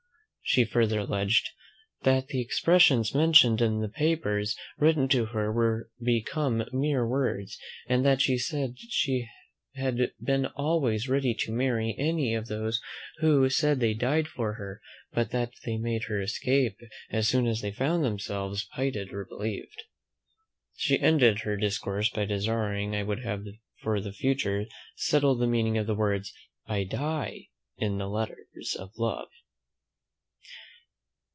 She further alleged, "That the expressions mentioned in the papers written to her were become mere words, and that she had been always ready to marry any of those who said they died for her; but that they made their escape, as soon as they found themselves pitied or believed." She ended her discourse by desiring I would for the future settle the meaning of the words "I die," in letters of love.